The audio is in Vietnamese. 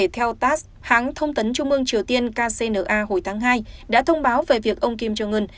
tổng thống triều tiên kcna hồi tháng hai đã thông báo về việc ông kim jong un